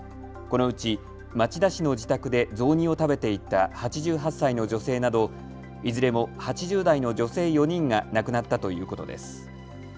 このうち町田市の自宅で雑煮を食べていた８８歳の女性などいずれも８０代の女性４人が亡くなったということです。